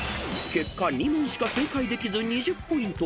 ［結果２問しか正解できず２０ポイント］